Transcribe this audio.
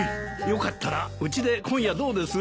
よかったらうちで今夜どうです？